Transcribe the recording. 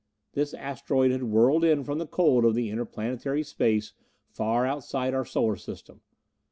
This asteroid had whirled in from the cold of the interplanetary space far outside our Solar System.